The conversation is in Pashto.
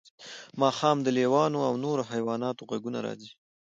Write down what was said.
ماښام د لیوانو او نورو حیواناتو غږونه راځي